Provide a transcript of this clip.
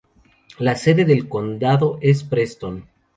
La sede del condado es Preston.